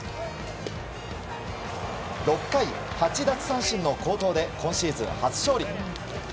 ６回、８奪三振の好投で今シーズン初勝利。